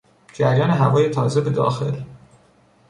جریان هوای تازه به داخل